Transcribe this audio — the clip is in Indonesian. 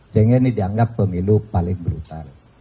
sehingga ini dianggap pemilu paling brutal